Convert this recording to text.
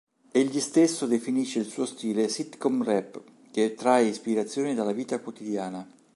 Egli stesso definisce il suo stile "Sitcom Rap", che trae ispirazione dalla vita quotidiana.